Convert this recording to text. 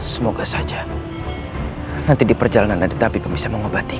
semoga saja nanti di perjalanan ada tapi pemisah mengobatiku